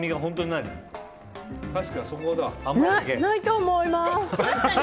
ないと思います！